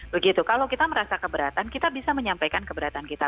begitu kalau kita merasa keberatan kita bisa menyampaikan keberatan kita